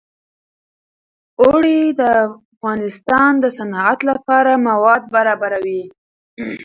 اوړي د افغانستان د صنعت لپاره مواد برابروي.